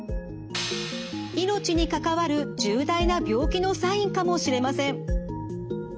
命に関わる重大な病気のサインかもしれません。